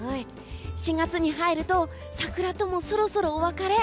４月に入ると桜ともそろそろお別れ。